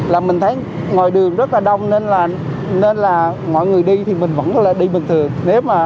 là mình thấy ngoài đường rất là đông nên là mọi người đi thì mình vẫn đi bình thường